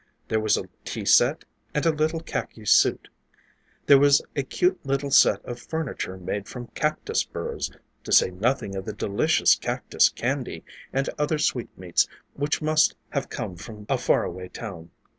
There was a tea set and a little kakhi suit. There was a cute little set of furniture made from cactus burrs, to say nothing of the delicious cactus candy, and other sweetmeats which must have come from a far away town.